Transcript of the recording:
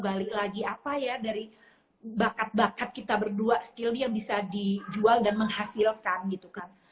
balik lagi apa ya dari bakat bakat kita berdua skilly yang bisa dijual dan menghasilkan gitu kan